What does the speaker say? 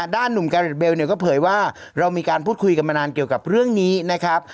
หนุ่มแกริดเบลเนี่ยก็เผยว่าเรามีการพูดคุยกันมานานเกี่ยวกับเรื่องนี้นะครับ